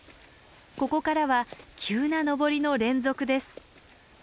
ここからは急な登りの連続です。